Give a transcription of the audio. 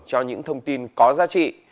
cho những thông tin có giá trị